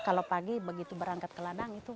kalau pagi begitu berangkat ke ladang itu